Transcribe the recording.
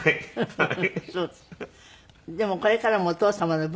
はい。